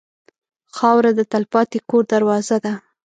خاوره د تلپاتې کور دروازه ده.